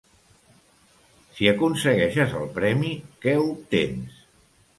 Si aconsegueixes el premi, què obtens?